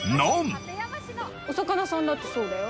お魚さんだってそうだよ